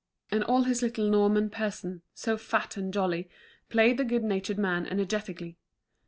And all his little Norman person, so fat and jolly, played the good natured man energetically.